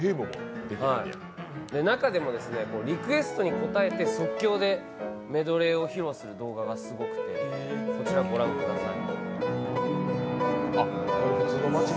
中でもリクエストに応えて即興でメドレーを披露する動画がすごくて、こちらご覧ください。